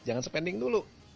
jangan spending dulu